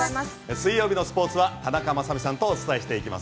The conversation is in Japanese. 水曜日のスポーツは田中雅美さんとお伝えしていきます。